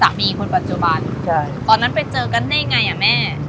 สามีคนปัจจุบันตอนนั้นไปเจอกันได้ยังไงอะแม่